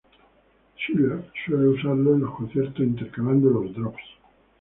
Skrillex suele usarlos en los conciertos intercalando los drops.